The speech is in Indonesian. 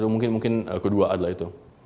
mungkin kedua adalah itu